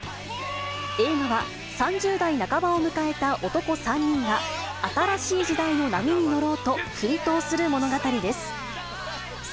映画は、３０代半ばを迎えた男３人が、新しい時代の波に乗ろうと、奮闘する物語です。